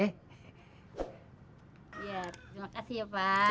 terima kasih ya pak